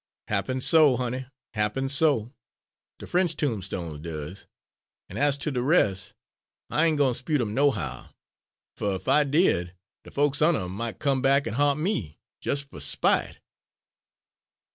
"Happen so, honey, happen so! De French tombstones does; an' as ter de res', I ain' gwine to 'spute 'em, nohow, fer ef I did, de folks under 'em mought come back an' ha'nt me, jes' fer spite."